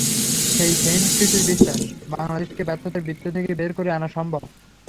সেই সেইন্টফিটের বিশ্বাস, বাংলাদেশকে ব্যর্থতার বৃত্ত থেকে বের করে আনা সম্ভব।